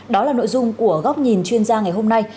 đó là nội dung của góc nhìn chuyên gia ngày hôm nay